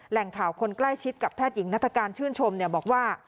แหล่งข่าวคนใกล้ชิดกับแพทย์หญิงนัฐการชื่นชมบอกว่า